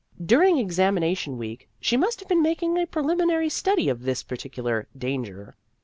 During examination week, she must have been making a preliminary study of this particular " Danger."